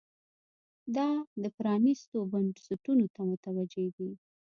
دا پرانیستو بنسټونو ته متوجې دي.